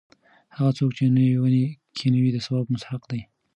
هغه څوک چې نوې ونې کښېنوي د ثواب مستحق دی.